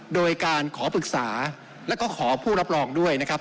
โดยการขอปรึกษาแล้วก็ขอผู้รับรองด้วยนะครับ